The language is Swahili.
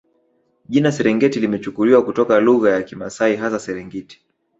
Jina Serengeti limechukuliwa kutoka lugha ya Kimasai hasa Serengit